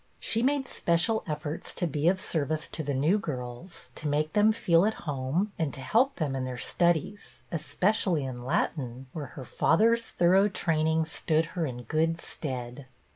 She made special efforts to be of service to the new girls, to make them feel at home, and to help them in their studies, especially in Latin, where her father's thorough training stood her in good stead.